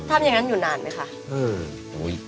ทำอย่างนั้นอยู่นานไหมคะ